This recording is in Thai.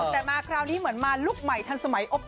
แต่มาคราวนี้เหมือนมาลุคใหม่ทันสมัยอบ